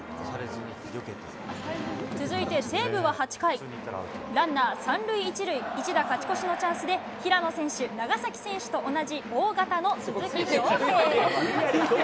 続いて西武は８回、ランナー３塁１塁、一打勝ち越しのチャンスで平野選手、長崎選手と同じＯ型の鈴木将平。